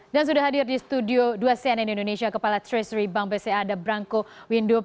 dan sudah hadir di studio dua cnn indonesia kepala treasury bank bca ada branko windupak